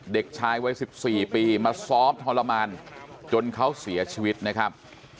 เด็กชายวัย๑๔ปีมาซ้อมทรมานจนเขาเสียชีวิตนะครับ